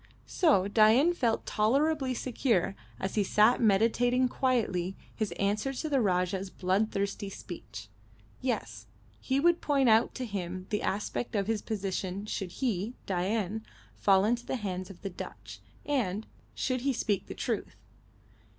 So Dain felt tolerably secure as he sat meditating quietly his answer to the Rajah's bloodthirsty speech. Yes, he would point out to him the aspect of his position should he Dain fall into the hands of the Dutch and should he speak the truth.